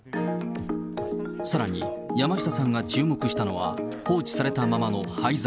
さらに山下さんが注目したのは、放置されたままの廃材。